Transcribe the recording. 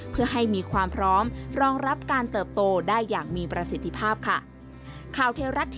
เพื่อให้มีความพร้อมรองรับการเติบโตได้อย่างมีประสิทธิภาพค่ะ